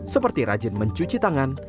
seperti rajin mencuci tangan